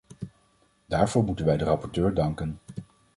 Daarvoor moeten wij de rapporteur danken.